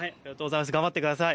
頑張ってください。